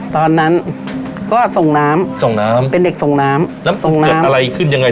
ตอนนั้นก็ส่งน้ำส่งน้ำเป็นเด็กส่งน้ำแล้วส่งน้ำเกิดอะไรขึ้นยังไง